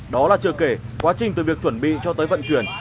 đó là chưa kể quá trình từ việc chuẩn bị cho tới vận chuyển